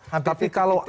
hantar titik titik misalnya